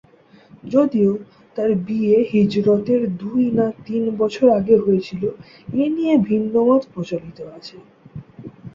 যদিও, তার বিয়ে হিজরতের দুই না তিন বছর আগে হয়েছিল, এ নিয়ে ভিন্নমত প্রচলিত আছে।